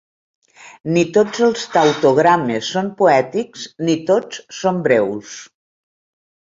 Ni tots els tautogrames són poètics ni tots són breus.